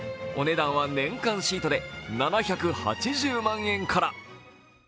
お値段は年間シートで７８０万円から。